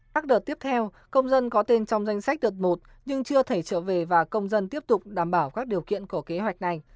các đợt tiếp theo công dân có tên trong danh sách đợt một nhưng chưa thể trở về và công dân tiếp tục đảm bảo các điều kiện của kế hoạch này